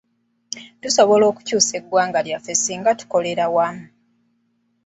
Tusobola okukyusa eggwanga lyaffe ssinga tukolera wamu.